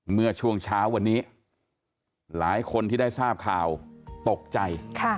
เมื่อช่วงเช้าวันนี้หลายคนที่ได้ทราบข่าวตกใจ